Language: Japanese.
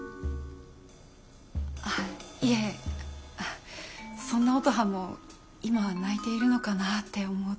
いえそんな乙葉も今は泣いているのかなって思うと。